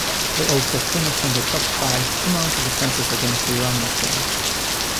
They also finished in the top five among defenses against the running game.